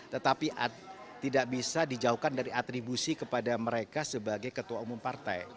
tetapi tidak bisa dijauhkan dari atribusi kepada mereka sebagai ketua umum partai